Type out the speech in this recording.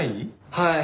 はい。